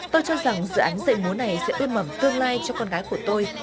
tôi cho rằng dự án dạy múa này sẽ ưu mẩm tương lai cho con gái của tôi